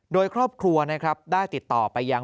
โดยครอบครัวได้ติดต่อไปยาง